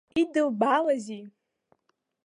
Идылбалазеи?